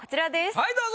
はいどうぞ。